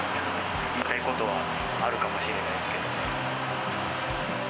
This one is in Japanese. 言いたいことはあるかもしれないですけどね。